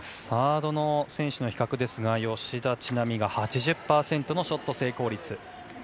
サードの選手の比較ですが吉田知那美が８０％のショット成功率。